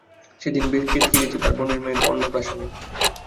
সেদিন কেতকী গেছে তার বোনের মেয়ের অন্নপ্রাশনে।